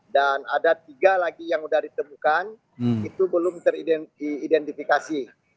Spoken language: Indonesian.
dan ada tiga lagi yang sudah ditemukan itu belum teridentifikasi